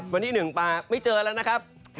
วันที่๑มาไม่เจอแล้วนะครับ